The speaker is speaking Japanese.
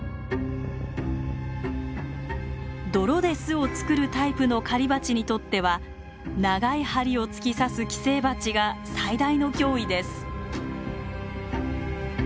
泥で巣を作るタイプの狩りバチにとっては長い針を突き刺す寄生バチが最大の脅威です。